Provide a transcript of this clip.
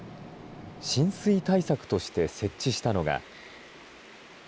浸水対策として設置したのが。